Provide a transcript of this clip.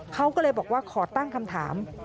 เขาก็เลยบอกว่าขอตั้งคำถาม